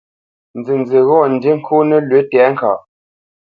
Nzənzí ghɔ́ ndí ŋkô nəlwʉ̌ tɛ̌ŋkaʼ.